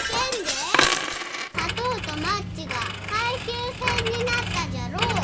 砂糖とマッチが配給制になったじゃろお。